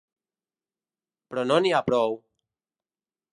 Però no n’hi ha prou!